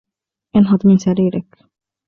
انهض من سريرك!